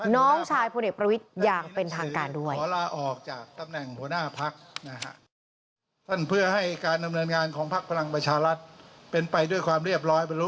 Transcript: น้องชายพลเอกประวิทย์อย่างเป็นทางการด้วย